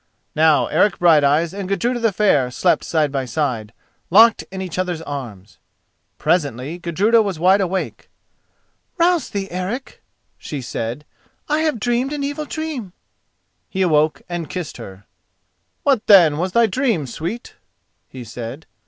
Now Eric Brighteyes and Gudruda the Fair slept side by side, locked in each other's arms. Presently Gudruda was wide awake. "Rouse thee, Eric," she said, "I have dreamed an evil dream." He awoke and kissed her. "What, then, was thy dream, sweet?" he said.